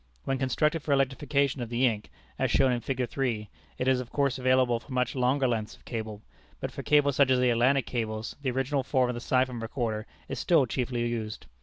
When constructed for electrification of the ink, as shown in Fig. 3, it is of course available for much longer lengths of cable, but for cables such as the Atlantic cables, the original form of the Siphon Recorder is that still chiefly used.